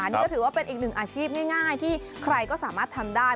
นี่ก็ถือว่าเป็นอีกหนึ่งอาชีพง่ายที่ใครก็สามารถทำได้